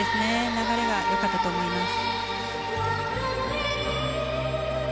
流れがよかったと思います。